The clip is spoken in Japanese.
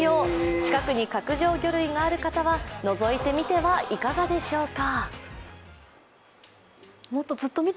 近くに角上魚類がある方はのぞいてみてはいかがでしょうか？